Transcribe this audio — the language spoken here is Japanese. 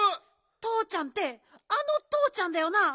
とうちゃんってあのとうちゃんだよな？